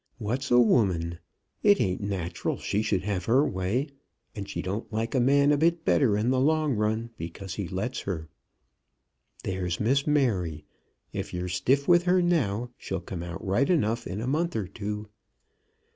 What's a woman? It ain't natural that she should have her way; and she don't like a man a bit better in the long run because he lets her. There's Miss Mary; if you're stiff with her now, she'll come out right enough in a month or two.